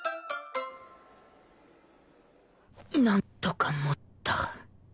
なんとか持った